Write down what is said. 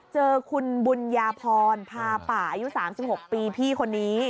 เจอคุณบุญญาพรพาป่าอายุ๓๖ปีพี่คนนี้